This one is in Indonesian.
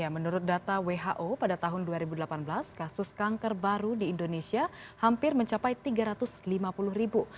menurut data who pada tahun dua ribu delapan belas kasus kanker baru di indonesia hampir mencapai tiga ratus lima puluh ribu